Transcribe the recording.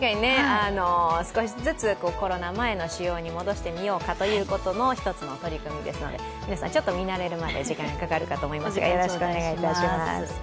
少しずつコロナ前の仕様に戻してみようかということの一つの取り組みですので皆さん、ちょっと見慣れるまで時間がかかると思いますが、よろしくお願いします。